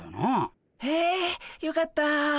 へえよかった。